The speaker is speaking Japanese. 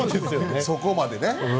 そこまでね。